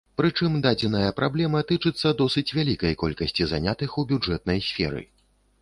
Прычым дадзеная праблема тычыцца досыць вялікай колькасці занятых у бюджэтнай сферы.